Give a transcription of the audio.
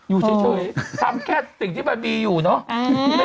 อยู่เฉยทำแค่สิ่งที่มันมีอยู่เนอะ